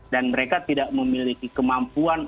dan mereka tidak memiliki kemampuan